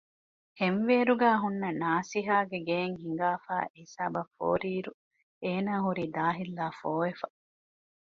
ހެންވޭރުގައި ހުންނަ ނާސިހާގެ ގެއިން ހިނގާފައި އެހިސާބަށް ފޯރިއިރު އޭނާ ހުރީ ދާހިއްލާފޯވެފަ